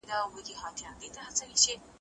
له سياست څخه پېچلې پايلي لاسته راځي.